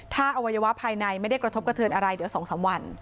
ถ้าอวัยวะภายในไม่ได้กระทบกระเทือนอะไรเดี๋ยว๒๓วัน